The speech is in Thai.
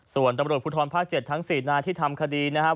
ส่วนตำรวจภูทรภาค๗ทั้ง๔นายที่ทำคดีนะครับ